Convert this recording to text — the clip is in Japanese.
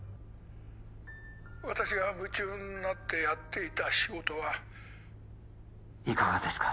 私が夢中になってやっていた仕事はいかがですか？